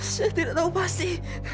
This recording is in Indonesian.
saya tidak tahu pasti